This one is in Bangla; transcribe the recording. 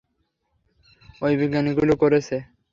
ওই বিজ্ঞানীগুলো করেছে!